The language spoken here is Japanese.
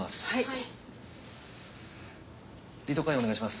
はい。